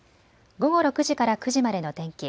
午後６時から９時までの天気。